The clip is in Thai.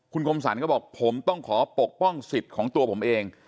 คุณคมสรรก็บอกผมต้องขอปกป้องสิทธิ์ของตัวผมเอง